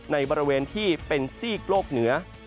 ในบริเวณที่เป็นซีกโลกเหนือ